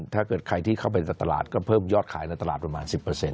ถ้าเกิดใครที่เข้าไปจากตลาดก็เพิ่มยอดขายในตลาดประมาณ๑๐